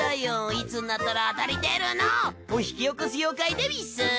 いつになったら当たり出るの！？を引き起こす妖怪でうぃす。